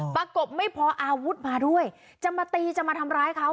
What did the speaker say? กบไม่พออาวุธมาด้วยจะมาตีจะมาทำร้ายเขา